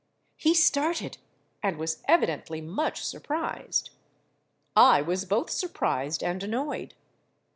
He started and was evidently much surprised: I was both surprised and annoyed.